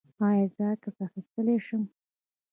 ایا زه عکس اخیستلی شم؟